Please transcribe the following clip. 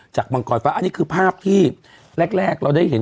มังกรฟ้าอันนี้คือภาพที่แรกเราได้เห็น